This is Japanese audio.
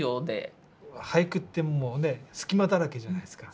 俳句ってもうね隙間だらけじゃないですか。